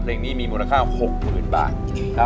เพลงนี้มีมูลค่า๖๐๐๐บาท